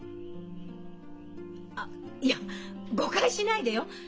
あっいや誤解しないでよ。